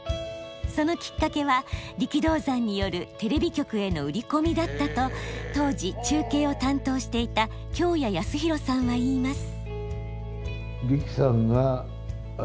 そのきっかけは力道山によるテレビ局への売り込みだったと当時中継を担当していた京谷泰弘さんは言います。